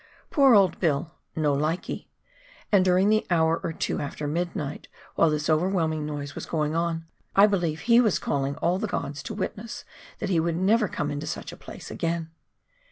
Poor old Bill " no likee," and during the hour or two after midnight while this overwhelming noise was going on, I believe he was calling all the gods to witness that he would never come into such a place again